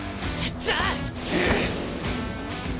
じゃあ！あ。